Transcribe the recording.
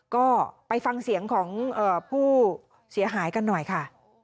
ก็ไปฟังเสียงของผู้เสียหายกันหน่อยค่ะ